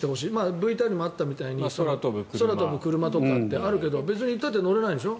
ＶＴＲにもあったみたいに空飛ぶクルマとかってあるけど別に行ったって乗れないんでしょ？